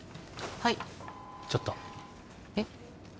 はいっちょっとえっ？